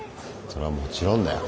それはもちろんだよ。